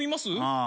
ああ。